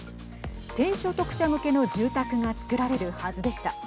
低所得者向けの住宅が造られるはずでした。